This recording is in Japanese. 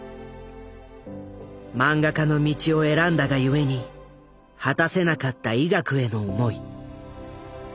漫画家の道を選んだがゆえに果たせなかった医学への思い。